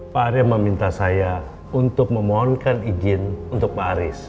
pak arya meminta saya untuk memohonkan izin untuk pak aris